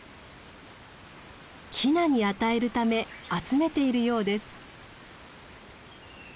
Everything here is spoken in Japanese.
ヒナに与えるため集めているようです。